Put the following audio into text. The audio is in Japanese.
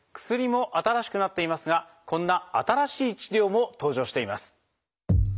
薬も新しくなっていますがこんな新しい治療も登場しています。